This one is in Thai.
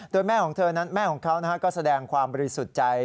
โดยแม่ของเธอนั้นแม่ของเขาก็แสดงความบริสุทธิ์ใจ